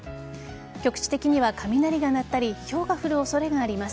局地的には雷が鳴ったりひょうが降る恐れがあります。